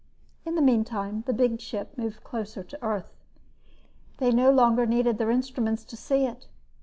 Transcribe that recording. In the meantime the ship moved much closer to Earth. They no longer needed instruments to see it.